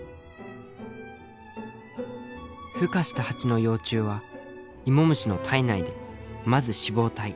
孵化したハチの幼虫はイモムシの体内でまず脂肪体